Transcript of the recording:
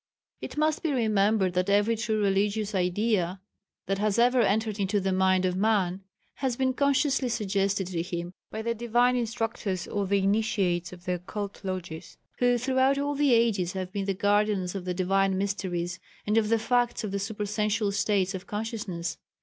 It must be remembered that every true religious idea that has ever entered into the mind of man, has been consciously suggested to him by the divine Instructors or the Initiates of the Occult Lodges, who throughout all the ages have been the guardians of the divine mysteries, and of the facts of the supersensual states of consciousness.